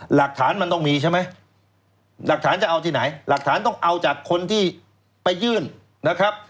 หลักฐานมันต้องมีใช่ไหมหลักฐานจะเอาที่ไหนหลักฐานต้องเอาจากคนที่ไปยื่นนะครับ